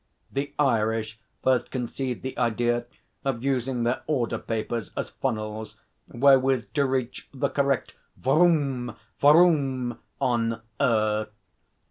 The Irish first conceived the idea of using their order papers as funnels wherewith to reach the correct 'vroom vroom' on 'Earth.'